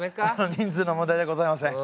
人数の問題ではございません。